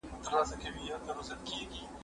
زه مخکي درسونه لوستي وو؟